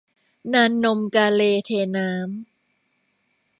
นานนมกาเลเทน้ำ